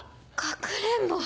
かくれんぼ。